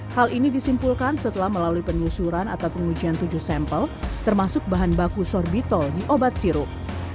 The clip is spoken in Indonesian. hal ini disimpulkan setelah melalui penyusuran atau pengujian tujuh sampel termasuk bahan baku sorbitol di obat sirup